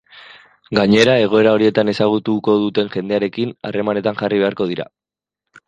Gainera, egoera horietan ezagutuko duten jendearekin harremanetan jarri beharko dira.